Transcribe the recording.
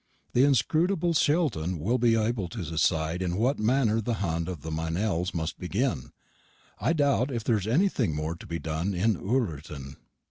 The inscrutable Sheldon will be able to decide in what manner the hunt of the Meynells must begin. I doubt if there is anything more to be done in Ullerton.